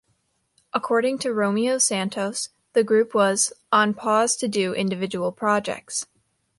According to Romeo Santos, the group was "on pause to do individual projects".